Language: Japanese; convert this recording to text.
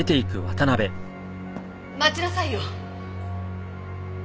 待ちなさいよ。